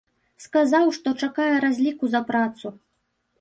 Сказаў, што чакае разліку за працу.